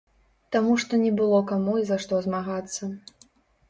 Таму што не было каму і за што змагацца.